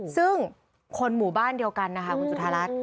ซึ่งคนหมู่บ้านเดียวกันนะคะคุณจุธารัฐ